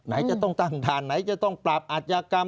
ไหนจะต้องตั้งฐานไหนจะต้องปราบอัธยากรรม